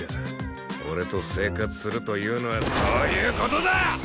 俺と生活するというのはそういう事だ！